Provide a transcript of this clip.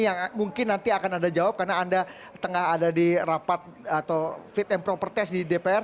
yang mungkin nanti akan ada jawab karena anda tengah ada di rapat atau fit and proper test di dpr